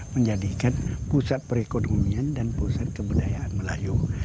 menjadikan pusat perekonomian dan pusat kebudayaan melayu